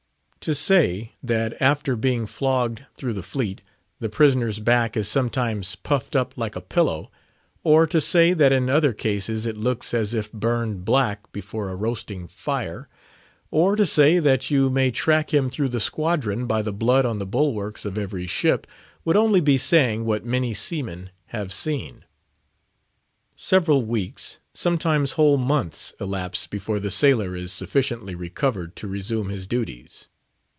To say, that after being flogged through the fleet, the prisoner's back is sometimes puffed up like a pillow; or to say that in other cases it looks as if burned black before a roasting fire; or to say that you may track him through the squadron by the blood on the bulwarks of every ship, would only be saying what many seamen have seen. Several weeks, sometimes whole months, elapse before the sailor is sufficiently recovered to resume his duties.